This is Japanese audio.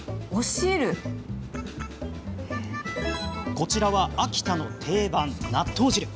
こちらは秋田の定番、納豆汁。